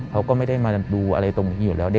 เขาก็ไม่ได้มาดูอะไรตรงนี้อยู่แล้ว